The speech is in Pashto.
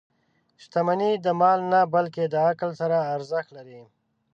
• شتمني د مال نه، بلکې د عقل سره ارزښت لري.